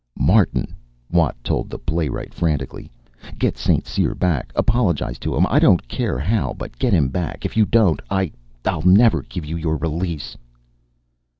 "Martin!" Watt told the playwright frantically, "Get St. Cyr back. Apologize to him. I don't care how, but get him back! If you don't, I I'll never give you your release."